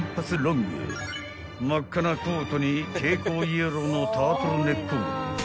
［真っ赤なコートに蛍光イエローのタートルネック］